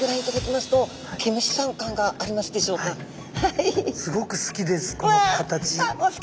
すごく好きですこの形。